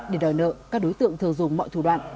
để đòi nợ các đối tượng thường dùng mọi thủ đoạn